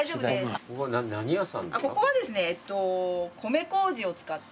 ここは何屋さんですか？